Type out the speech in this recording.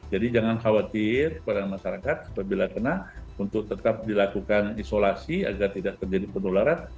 jadi jangan khawatir kepada masyarakat bila kena untuk tetap dilakukan isolasi agar tidak terjadi penularan